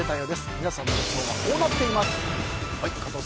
皆さんの結果はこうなっています。